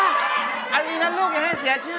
เอาดีนะลูกอย่าให้เสียชื่อ